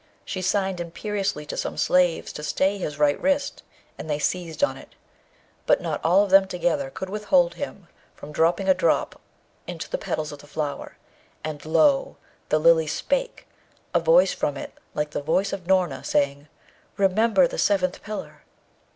She signed imperiously to some slaves to stay his right wrist, and they seized on it; but not all of them together could withhold him from dropping a drop into the petals of the flower, and lo, the Lily spake, a voice from it like the voice of Noorna, saying, 'Remember the Seventh Pillar.'